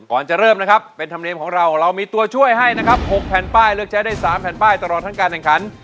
ก่อนจะเริ่มนะครับเป็นธรรมเนียมของเราเรามีตัวช่วยให้นะครับ๖แผ่นป้ายเลือกใช้ได้๓แผ่นป้ายตลอดทั้งการแข่งขัน